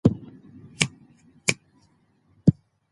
د دې ټولنې غړي په سلګونو هیوادونو کې ژوند کوي.